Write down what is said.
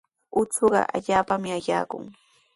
Uchuqa allaapami ayaykun.